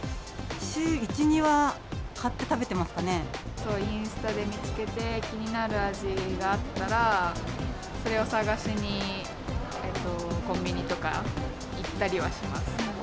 週１、インスタで見つけて、気になる味があったら、それを探しに、コンビニとか行ったりはします。